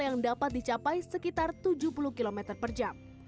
yang dapat dicapai sekitar tujuh puluh km per jam